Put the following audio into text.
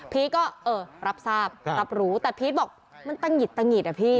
ก็เออรับทราบรับรู้แต่พีชบอกมันตะหิดตะหิดอะพี่